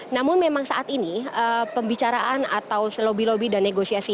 namun memang saat ini pembicaraan atau lobby lobby dan negosiasi